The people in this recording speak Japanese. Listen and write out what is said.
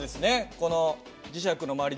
この磁石の周り